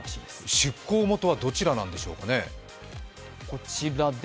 出稿元はどちらなんでしょうか？